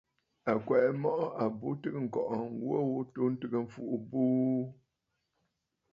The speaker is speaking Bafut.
À kwɛ̀ʼɛ mɔʼɔ àbu tɨgə̀ ŋ̀kɔʼɔ ŋwò ghu atu ntɨgə mfuʼu buu.